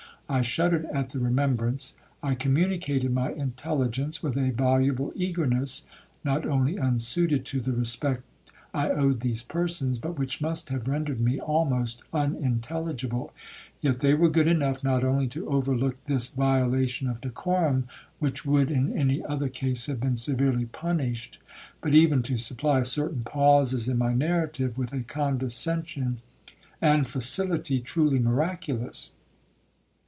I shuddered at the remembrance. 'I communicated my intelligence with a voluble eagerness, not only unsuited to the respect I owed these persons, but which must have rendered me almost unintelligible, yet they were good enough not only to overlook this violation of decorum, which would in any other case have been severely punished, but even to supply certain pauses in my narrative, with a condescension and facility truly miraculous.